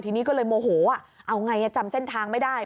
ทีนี้ก็เลยโมโหเอาไงจำเส้นทางไม่ได้